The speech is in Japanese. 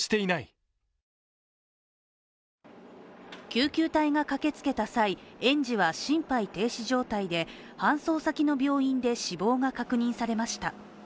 救急隊が駆けつけた際、園児は心肺停止状態で搬送先の病院で死亡が確認されました。